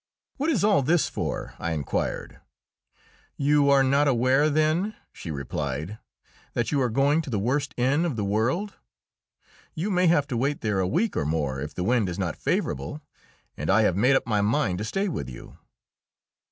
"What is all this for?" I inquired. "You are not aware, then," she replied, "that you are going to the worst inn of the world? You may have to wait there a week or more if the wind is not favourable, and I have made up my mind to stay with you."